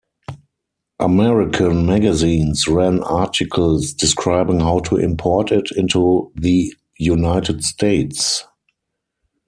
American magazines ran articles describing how to import it into the United States.